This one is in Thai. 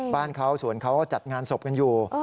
บ้านเขาสวนเขาจัดงานศพกันอยู่